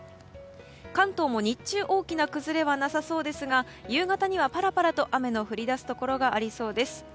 関東も日中大きな崩れはなさそうですが夕方にはパラパラと雨の降り出すところがありそうです。